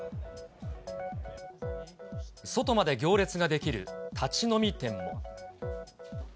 外まで行列が出来る立ち飲み店も。